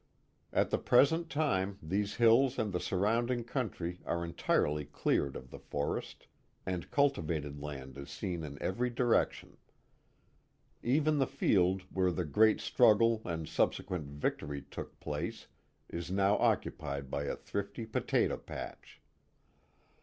At the present time these hills and the surrounding country are entirely cleared of the forest, and cultivated land is seen in every direction. Even the field where the great struggle and subsequent victory took place is now occupied by a thrifty potato patch.